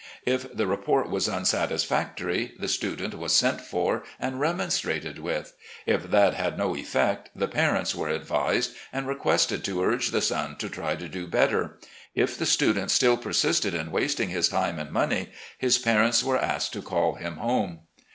If the report was unsatisfactory, the student ■was sent for and remonstrated with. If that had no effect, the parents were ad'vised, and requested to AN ADVISER OP YOUNG MEN 295 uige the son to try to do better. If the student still persisted in wasting his time and money, his parents were asked to call him home.